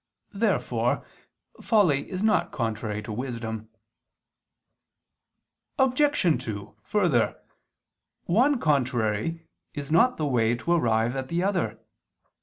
Therefore folly is not contrary to wisdom. Obj. 2: Further, one contrary is not the way to arrive at the other.